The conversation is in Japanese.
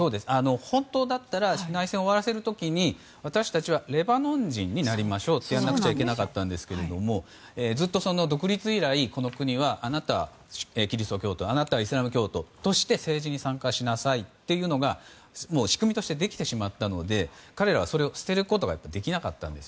本当なら内戦を終わらせる時に私たちはレバノン人になりましょうと言わなくちゃいけなかったんですがずっと、独立以来この国はあなたはキリスト教徒あなたはイスラム教徒として政治に参加しなさいというのが仕組みとしてできてしまったので彼らは、それを捨てることができなかったんです。